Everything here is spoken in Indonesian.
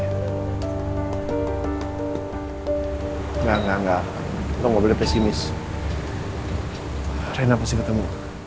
enggak enggak enggak lo gak boleh pesimis rena pasti ketemu